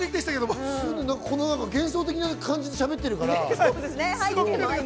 幻想的な感じでしゃべっているから。